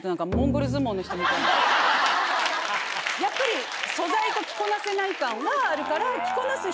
やっぱり素材と着こなせない感はあるから。